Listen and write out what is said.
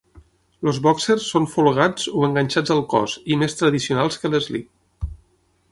Els bòxers són folgats o enganxats al cos i més tradicionals que l'eslip.